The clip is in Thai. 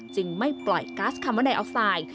จึงไม่ปล่อยกัสคามาไดออฟไตล์